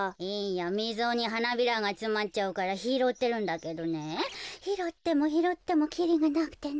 みぞにはなびらがつまっちゃうからひろってるんだけどねひろってもひろってもきりがなくてね。